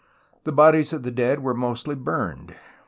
The bodies of the dead were mostly burned.